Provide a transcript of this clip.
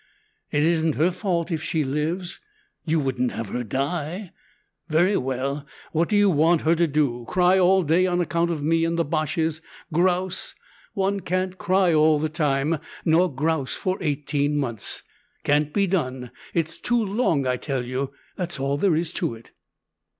It isn't her fault if she lives. You wouldn't have her die? Very well, what do you want her to do? Cry all day on account of me and the Boches? Grouse? One can't cry all the time, nor grouse for eighteen months. Can't be done. It's too long, I tell you. That's all there is to it."